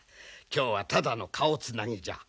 今日はただの顔つなぎじゃ。